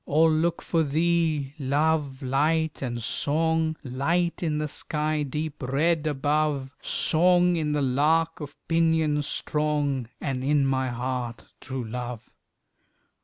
All look for thee, Love, Light, and Song, Light in the sky deep red above, Song, in the lark of pinions strong, And in my heart, true Love.